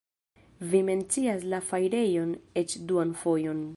Vi mencias la fajrejon eĉ duan fojon.